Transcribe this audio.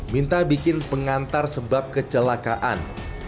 minta bikin pengantar sebab kecelakaan